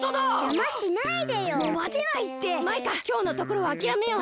マイカきょうのところはあきらめよう。